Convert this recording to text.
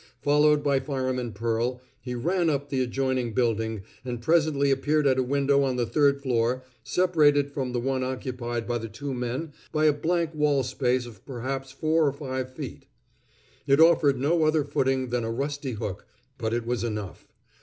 Followed by Fireman Pearl, he ran up in the adjoining building, and presently appeared at a window on the third floor, separated from the one occupied by the two men by a blank wall space of perhaps four or five feet. It offered no other footing than a rusty hook, but it was enough.